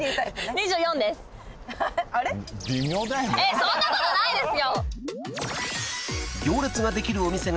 そんなことないですよ。